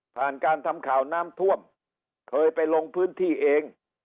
การทำข่าวน้ำท่วมเคยไปลงพื้นที่เอง